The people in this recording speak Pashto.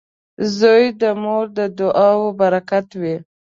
• زوی د مور د دعاو برکت وي.